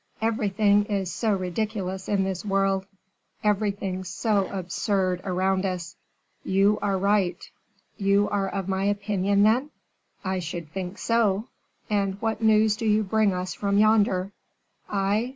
Everything is so ridiculous in this world, everything so absurd around us." "You are right." "You are of my opinion, then?" "I should think so! And what news do you bring us from yonder?" "I?